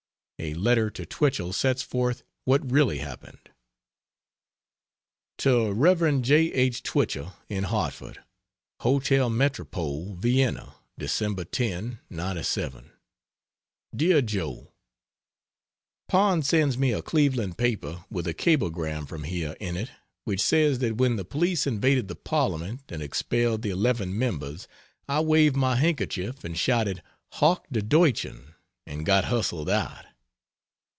A letter to Twichell sets forth what really happened. To Rev. J. H. Twichell, in Hartford: HOTEL METROPOLE, VIENNA, Dec. 10, '97. DEAR JOE, Pond sends me a Cleveland paper with a cablegram from here in it which says that when the police invaded the parliament and expelled the 11 members I waved my handkerchief and shouted 'Hoch die Deutschen!' and got hustled out.